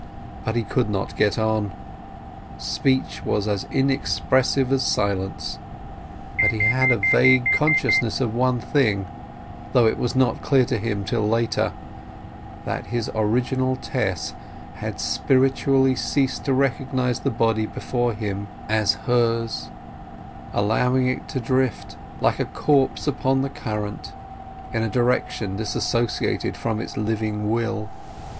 But he could not get on. Speech was as inexpressive as silence. But he had a vague consciousness of one thing, though it was not clear to him till later; that his original Tess had spiritually ceased to recognize the body before him as hers—allowing it to drift, like a corpse upon the current, in a direction dissociated from its living will.